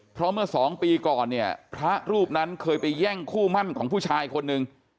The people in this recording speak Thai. เพราะเมื่อสองปีก่อนเนี่ยพระรูปนั้นเคยไปแย่งคู่มั่นของผู้ชายคนหนึ่ง